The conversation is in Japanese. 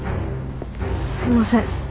すいません。